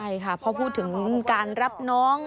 ใช่ค่ะเพราะพูดถึงการรับน้อง